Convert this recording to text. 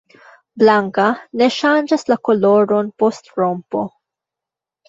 Blanka, ne ŝanĝas la koloron post rompo.